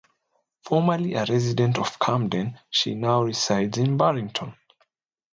Formerly a resident of Camden, she now resides in Barrington.